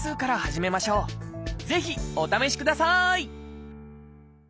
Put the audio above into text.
ぜひお試しください！